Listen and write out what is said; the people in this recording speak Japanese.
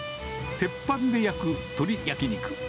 鉄板で焼く鶏焼き肉。